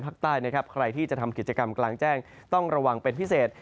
ภาคใต้นะครับใครที่จะทำกิจกรรมกลางแจ้งต้องระวังเป็นพิเศษ